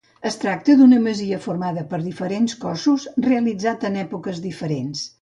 Es tracta d'una masia formada per diferents cossos realitzats en èpoques diferents.